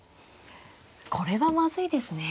これはまずいですね。